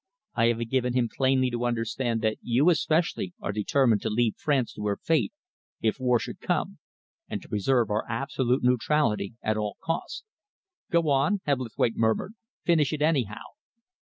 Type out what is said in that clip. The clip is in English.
I have given him plainly to understand that you especially are determined to leave France to her fate if war should come, and to preserve our absolute neutrality at all costs." "Go on," Hebblethwaite murmured. "Finish it, anyhow."